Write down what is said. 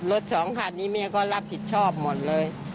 รถสองคันนี้แม่ก็รับผิดชอบหมดเลย